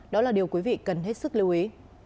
đó là điều quý vị cần hết sức lưu ý